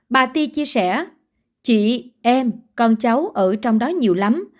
bà ti chia sẻ chị em con cháu ở trong đó nhiều lắm